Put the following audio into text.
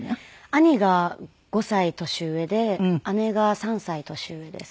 兄が５歳年上で姉が３歳年上です。